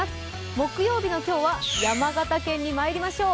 木曜日の今日は山形県にまいりましょう。